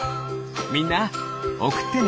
みんなおくってね！